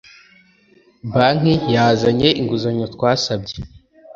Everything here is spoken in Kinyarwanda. banki yazanye inguzanyo twasabye